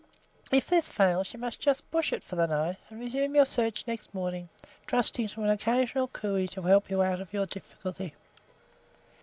If this fails, you must just bush it for the night, and resume your search next morning, trusting to an occasional "coo ey" to help you out of your difficulty.